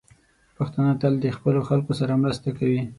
پښتانه تل د خپلو خلکو سره مرسته کوي.